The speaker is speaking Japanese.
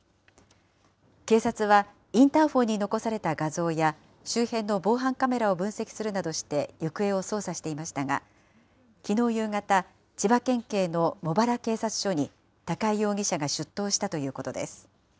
警察は、インターホンに残された画像や、周辺の防犯カメラを分析するなどして行方を捜査していましたが、きのう夕方、千葉県警の茂原警察署に高井容疑者が出頭したということです。